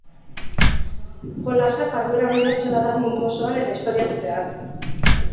jolasa jarduera unibertsala da mundu osoan eta historian zehar.